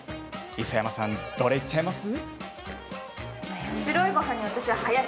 磯山さんどれいっちゃいます？